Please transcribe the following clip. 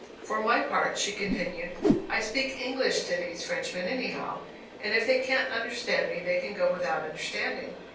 For my part," she continued, "I speak English to these Frenchmen anyhow, and if they can't understand me they can go without understanding.